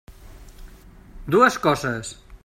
Dues coses.